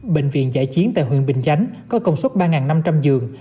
bệnh viện giải chiến tại huyện bình chánh có công suất ba năm trăm linh giường